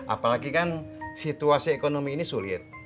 apalagi kan situasi ekonomi ini sulit